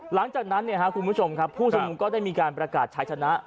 หลังจากนั้นคุณผู้ชมก็ได้มีการประกาศใช้ชนะ